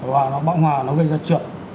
và nó bão hòa nó gây ra trượt